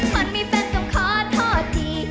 มันมีแฟนต้องขอโทษที